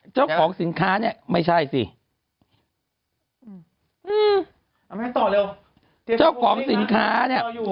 เจ้าของสินค้าเนี่ยไม่ใช่สิอืมเอาไม่ต่อเร็วเจ้าของสินค้าเนี่ย